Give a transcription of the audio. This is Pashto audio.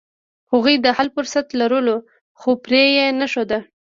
هغوی د حل فرصت لرلو، خو پرې یې نښود.